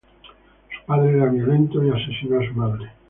Su padre era violento y asesinó a su madre.